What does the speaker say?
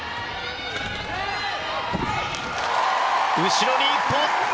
後ろに１歩。